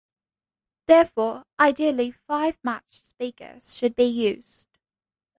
Therefore, ideally five matched speakers should be used.